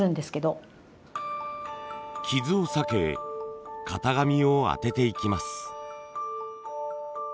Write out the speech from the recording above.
キズを避け型紙を当てていきます。